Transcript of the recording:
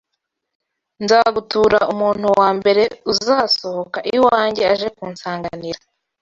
nzagutura umuntu wa mbere uzasohoka iwanjye aje kunsanganira